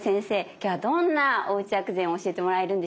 今日はどんなおうち薬膳教えてもらえるんでしょうか。